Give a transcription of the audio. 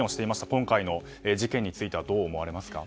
今回の事件についてはどう思われますか？